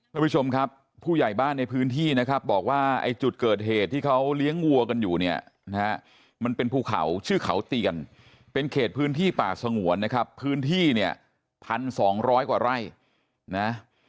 ท่านผู้ชมครับผู้ใหญ่บ้านในพื้นที่นะครับบอกว่าไอ้จุดเกิดเหตุที่เขาเลี้ยงวัวกันอยู่เนี่ยนะฮะมันเป็นภูเขาชื่อเขาเตียนเป็นเขตพื้นที่ป่าสงวนนะครับพื้นที่เนี่ย๑๒๐๐กว่าไร่นะ